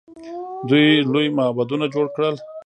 دوی لوی معبدونه جوړ کړل.